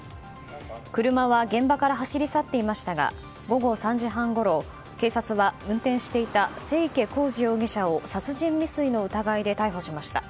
車は現場から走り去っていましたが午後３時半ごろ警察は運転していた清家幸司容疑者を殺人未遂の疑いで逮捕しました。